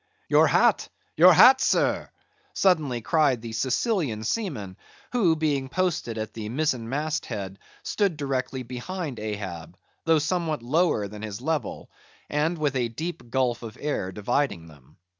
"Your hat, your hat, sir!" suddenly cried the Sicilian seaman, who being posted at the mizen mast head, stood directly behind Ahab, though somewhat lower than his level, and with a deep gulf of air dividing them.